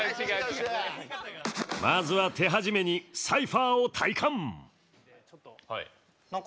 まずは手始めにサイファーを体感。